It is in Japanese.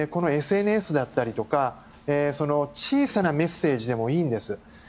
ＳＮＳだったりとか小さなメッセージでもいいんです